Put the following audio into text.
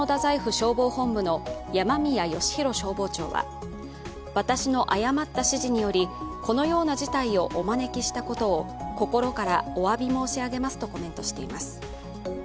消防本部の山宮義浩消防長は私の誤った指示によりこのような事態をお招きしたことを心からおわび申し上げますとコメントしています。